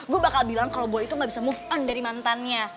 gue bakal bilang kalau gue itu gak bisa move on dari mantannya